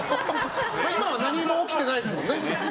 今は何も起きてないですもんね。